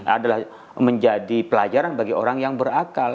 adalah menjadi pelajaran bagi orang yang berakal